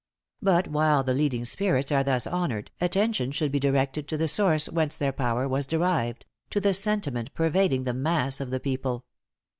But while the leading spirits are thus honored, attention should be directed to the source whence their power was derived to the sentiment pervading the mass of the people.